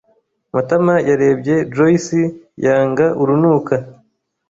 Matama yarebye Joyci yanga urunuka.